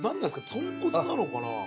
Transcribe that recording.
豚骨なのかな？